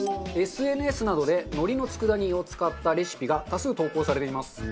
ＳＮＳなどで海苔の佃煮を使ったレシピが多数投稿されています。